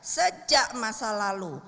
sejak masa lalu